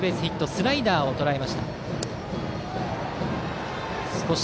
スライダーをとらえました。